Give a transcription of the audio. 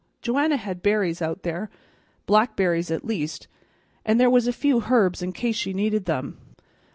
Joanna had berries out there, blackberries at least, and there was a few herbs in case she needed them.